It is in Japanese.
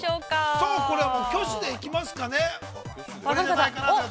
◆さあこれは、挙手で行きますかね。